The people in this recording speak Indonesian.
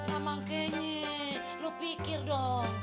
kamangkenye lo pikir dong